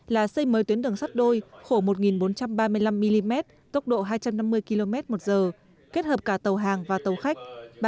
là xây mới tuyến đường sắt đôi khổ một bốn trăm ba mươi năm mm tốc độ hai trăm năm mươi km một giờ kết hợp cả tàu hàng và tàu khách